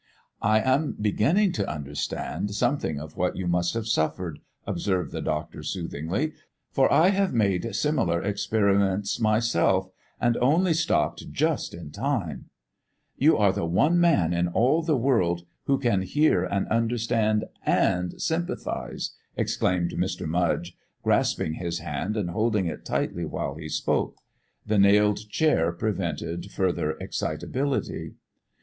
"I am beginning to understand something of what you must have suffered," observed the doctor soothingly, "for I have made similar experiments myself, and only stopped just in time " "You are the one man in all the world who can hear and understand, and sympathise," exclaimed Mr. Mudge, grasping his hand and holding it tightly while he spoke. The nailed chair prevented further excitability.